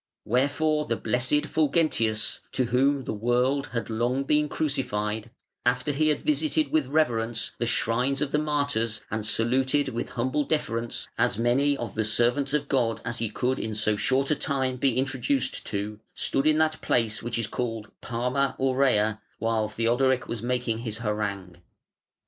Wherefore the blessed Fulgentius, to whom the world had long been crucified, after he had visited with reverence the shrines of the martyrs and saluted with humble deference as many of the servants of God as he could in so short a time be introduced to, stood in that place which is called Palma Aurea while Theodoric was making his harangue.